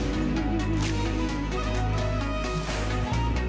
sambung menyambung menjadi satu